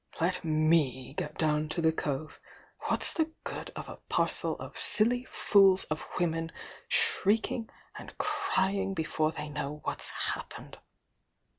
"Let me get down to the cove,— what's the good of a parcel of silly fools of women shrieking and crymg before they know what's happened!"